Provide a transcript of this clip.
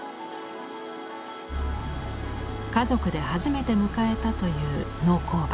家族で初めて迎えたという農耕馬。